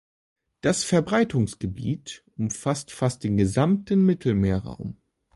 Das Verbreitungsgebiet umfasst fast den gesamten Mittelmeerraum.